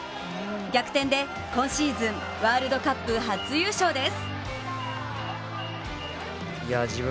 逆転で今シーズン、ワールドカップ初優勝です。